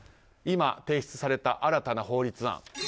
今、提出された新たな法律案。